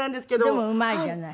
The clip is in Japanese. でもうまいじゃない。